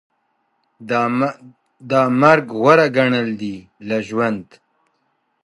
دا مرګ غوره ګڼل دي له ژوند